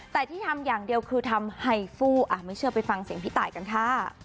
แต่ที่ทำอย่างเดียวคือทำไฮฟูอ่ะไม่เชื่อไปฟังเสียงพี่ตายกันค่ะ